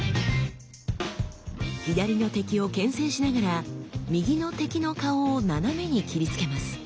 左の敵を牽制しながら右の敵の顔を斜めに斬りつけます。